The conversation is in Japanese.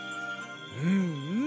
うんうん。